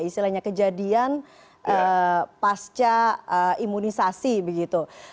istilahnya kejadian pasca imunisasi begitu